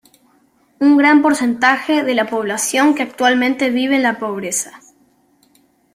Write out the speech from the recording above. Un gran porcentaje de la población que actualmente vive en la pobreza.